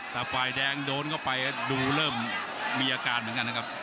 แต่ฝ่ายแดงโดนเข้าไปดูเริ่มมีอาการเหมือนกันนะครับ